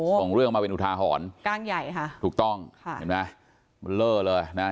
ส่งเรื่องมาเป็นอุทาหรณ์ก้างใหญ่ค่ะถูกต้องค่ะเห็นไหมมันเล่อเลยนะฮะ